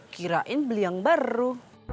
kirain beli yang baru